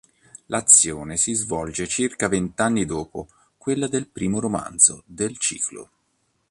L'azione si svolge circa vent'anni dopo quella del primo romanzo del ciclo.